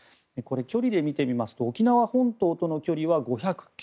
距離で見てみますと沖縄本島との距離は５０９ｋｍ。